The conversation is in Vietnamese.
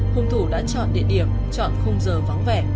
hùng thủ đã chọn địa điểm chọn khung giờ vắng vẻ